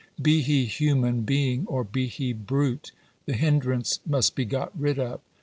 Be he human being, or be be brute, the hindrance must be got rid of.